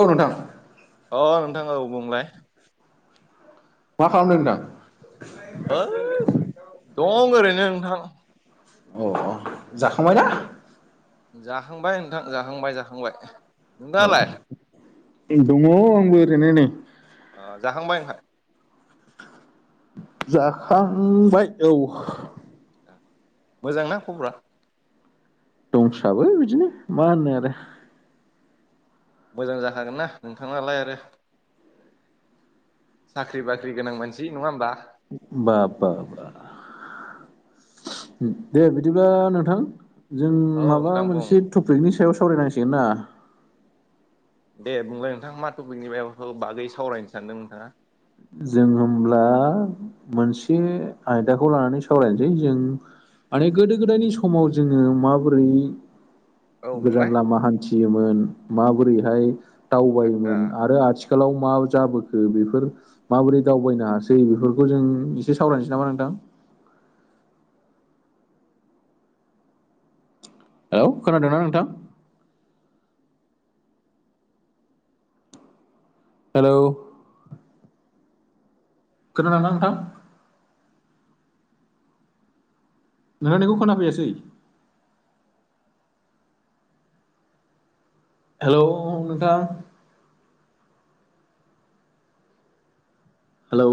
औ नोंथां। अ' नोंथां औ बुंलाय। मा खालामदों नोंथां? होय दं ओरैनो नोंथां। अ' अ' जाखांबायना? जाखांबाय नोंथां जाखांबाय जाखांबाय औ नोंथाङालाय? दङ आंबो ओरैनो नै। ओ जाखांबाय ओंमफाय? जाखांबाय औ। ओ मोजांना खबरा? दंसाबो बिदिनो मा होननो आरो। मोजां जाखागोनना नोंथांनालाय आरो। साख्रि बाख्रि गोनां मानसि नङा होमबा। बाब बा बा दे बिदिब्ला नोंथां। जों औ माबा नोंथां बुं मोनसे टपिकनि सायाव सावरायनांसिगोनना। दे बुंलाय नोंथाङा मा टपिकनि बायाव बागै सावरायनो सानदों नोंथाङा? जों होमब्ला मोनसे आयदाखौ लानानै सावरायनोसै जों माने गोदो गोदायनि समाव जोङो माबोरै औ गोजान बुंलाय लामा हान्थियोमोन माबोरैहाय दावबायोमोन आदसा आरो आथि खालाव मा जाबोखो बेफोर माबोरै दावबायनो हासै बेफोरखौ जों एसे सावरायनोसै नामा नोंथां? औ खोनादों ना नोंथां? हेलौ। खोनादों ना नोंथां? नोंथांनिखौ खोना फैयासै। हेलौ नोंथां। हेलौ।